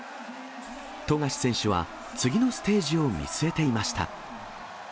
富樫選手は次のステージを見据えていました。